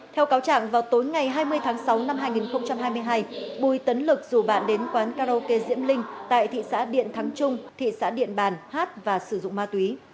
theo cáo trạng vào tối ngày hai mươi tháng sáu năm hai nghìn hai mươi hai bùi tấn lực rủ bạn đến quán karaoke diễm linh tại thị xã điện thắng trung thị xã điện bàn hát và sử dụng ma túy